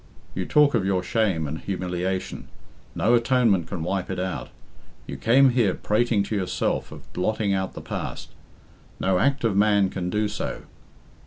"You talk of your shame and humiliation no atonement can wipe it out. You came here prating to yourself of blotting out the past no act of man can do so.